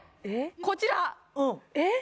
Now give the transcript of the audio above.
こちらえっ？